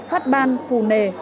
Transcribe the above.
phát ban phù nề